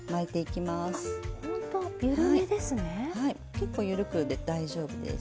結構緩くで大丈夫です。